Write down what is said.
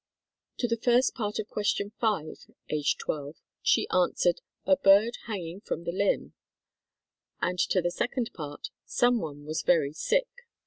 To the first part of Question 5, age 12, she answered, "A bird hanging from the limb," and to the second part, "Some one was very sick."